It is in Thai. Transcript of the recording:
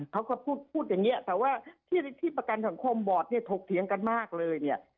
เขาก็พูดอย่างนี้แต่ว่าที่ประกันสังคมบอร์ดเนี่ยถกเถียงกันมากเลยเนี่ย